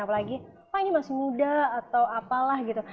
apalagi pak ini masih muda atau apalah gitu